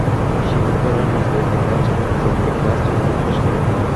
শিক্ষকেরা নিজ দায়িত্বে ক্লাস নেন, নিজ দায়িত্বে ক্লাস টেস্টগুলো শেষ করেন।